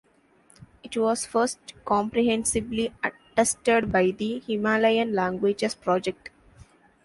It was first comprehensively attested by the Himalayan Languages Project.